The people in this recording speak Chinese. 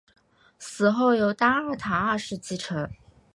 死后由齐丹塔二世继承。